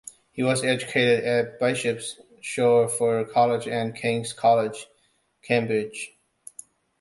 He was educated at Bishop's Stortford College and King's College, Cambridge.